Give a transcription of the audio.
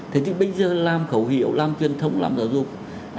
thế nhưng bây giờ làm khẩu hiệu làm truyền thống làm giáo dục